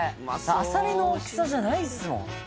アサリの大きさじゃないっすもん。